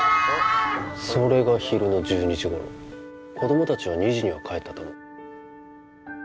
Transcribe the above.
それが昼の１２時頃子ども達は２時には帰ったと思う